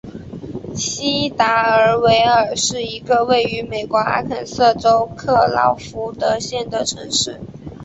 锡达尔维尔是一个位于美国阿肯色州克劳福德县的城市。